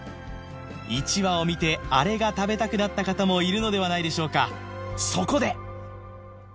１話を見てあれが食べたくなった方もいるのではないでしょうかそこで！